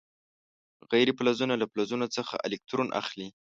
غیر فلزونه له فلزونو څخه الکترون اخلي.